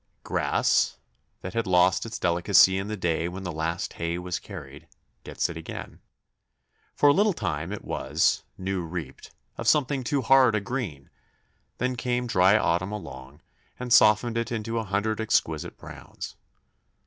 Grass, that had lost its delicacy in the day when the last hay was carried, gets it again. For a little time it was new reaped of something too hard a green; then came dry autumn along, and softened it into a hundred exquisite browns.